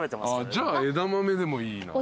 じゃあ枝豆でもいいな。